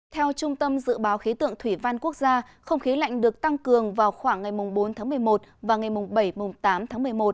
theo trung tâm dự báo khí tượng thủy văn quốc gia không khí lạnh được tăng cường vào khoảng ngày bốn tháng một mươi một và ngày bảy tám tháng một mươi một